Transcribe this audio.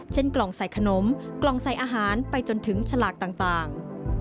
กล่องใส่ขนมกล่องใส่อาหารไปจนถึงฉลากต่าง